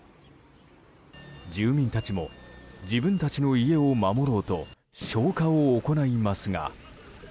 住民たちも自分たちの家を守ろうと消火を行いますが。